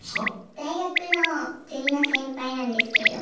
大学のゼミの先輩なんですけれども。